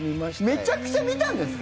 めちゃくちゃ見たんですか？